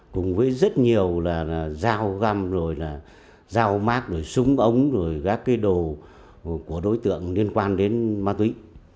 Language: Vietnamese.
cùng với rất nhiều dao găm dao mát súng ống các đồ của đối tượng liên quan đến ma túy